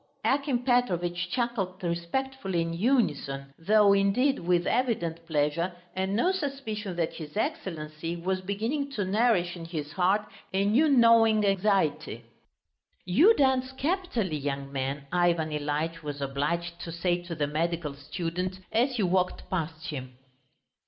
Akim Petrovitch chuckled respectfully in unison, though, indeed, with evident pleasure and no suspicion that his Excellency was beginning to nourish in his heart a new gnawing anxiety. "You dance capitally, young man," Ivan Ilyitch was obliged to say to the medical student as he walked past him.